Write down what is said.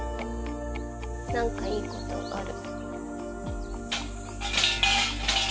何かいいことある。